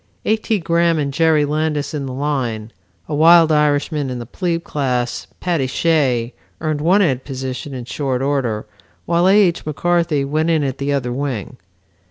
A. T. Graham and Jerry Landis in the line. A wild Irishman in the plebe class, Paddy Shea, earned one end position in short order, while A. H. McCarthy went in at the other wing.